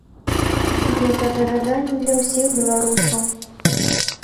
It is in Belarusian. Гэта апавяданне для ўсіх беларусаў.